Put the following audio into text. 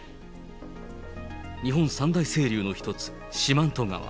日本三大清流の一つ、四万十川。